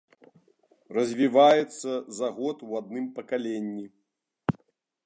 Развіваецца за год у адным пакаленні.